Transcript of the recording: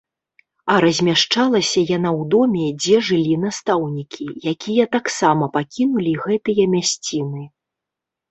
А размяшчалася яна ў доме, дзе жылі настаўнікі, якія таксама пакінулі гэтыя мясціны.